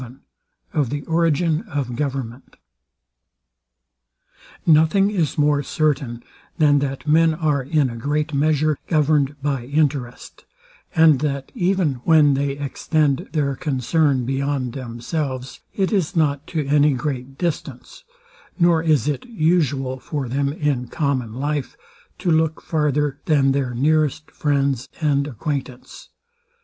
VII OF THE ORIGIN OF GOVERNMENT Nothing is more certain, than that men are, in a great measure, governed by interest, and that even when they extend their concern beyond themselves, it is not to any great distance; nor is it usual for them, in common life, to look farther than their nearest friends and acquaintance.